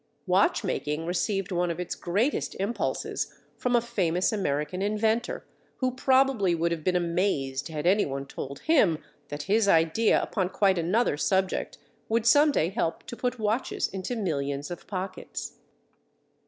Watch making received one of its greatest impulses from a famous American inventor who probably would have been amazed had anyone told him that his idea upon quite another subject would some day help to put watches into millions of pockets.